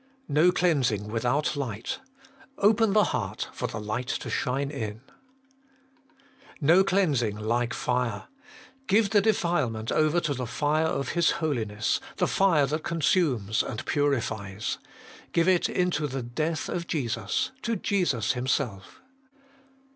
3. Ho cleansing without Light. Open the heart for the Light to shine In. 218 HOLY IN CHRIST. 4. No cleansing like fire. Qloethe defilement oner to the fire of His Holiness, the fire that consumes and purifies, Qloe It Into the death of Jesus, to Jesus Himself.